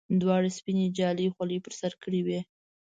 دواړو سپینې جالۍ خولۍ پر سر کړې وې.